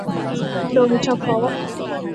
โดยเฉพาะ